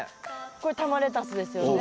これ玉レタスですよね？